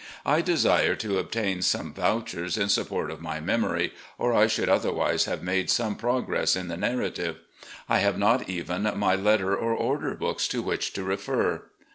I desire to obtain some vouchers in support of my memory, or I should otherwise have made some progress in the nar rative. I have not even my letter or order books to which to refer.